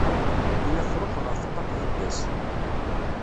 Ay afrux ɣef ṭṭaq bedd-as.